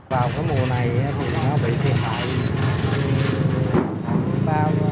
vào mùa này thùng nó bị thiên bạo